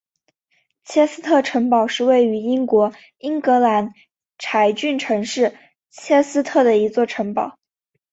切斯特城堡是位于英国英格兰柴郡城市切斯特的一座城堡。